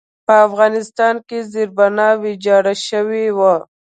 په افغانستان کې زېربنا ویجاړه شوې وه.